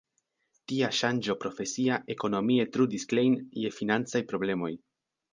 Tia ŝanĝo profesia ekonomie trudis Klein je financaj problemoj.